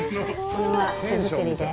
これは手作りで。